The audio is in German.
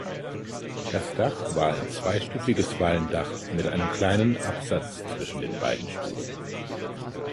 Das Dach war ein zweistufiges Walmdach mit einem kleinen Absatz zwischen den beiden Stufen.